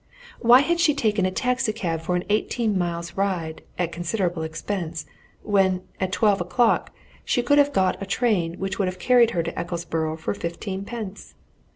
Why had she taken a taxi cab for an eighteen miles' ride, at considerable expense, when, at twelve o'clock, she could have got a train which would have carried her to Ecclesborough for fifteen pence?